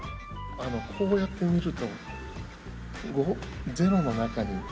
あのこうやって見るとゼロの中に。